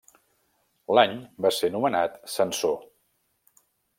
L'any va ser nomenat censor.